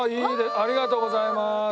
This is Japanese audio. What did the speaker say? ありがとうございます。